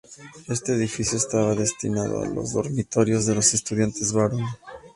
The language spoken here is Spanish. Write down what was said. Este edificio estaba destinado a los dormitorios de los estudiantes varones.